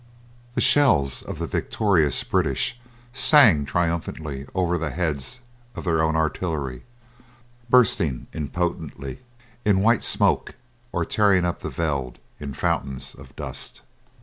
The shells of the victorious British sang triumphantly over the heads of their own artillery, bursting impotently in white smoke or tearing up the veldt in fountains of dust.